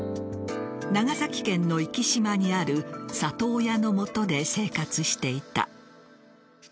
長崎県の壱岐島にある里親のもとで生活していた。